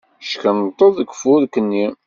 Ckunṭḍeɣ deg ufurk-nni.